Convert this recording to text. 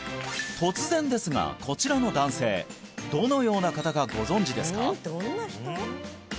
突然ですがこちらの男性どのような方かご存じですか？